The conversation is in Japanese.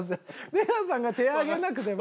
出川さんが手挙げなくても。